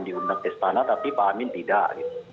menang istana tapi pak amin tidak